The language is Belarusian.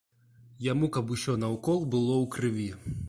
Яму каб усё наўкол было ў крыві.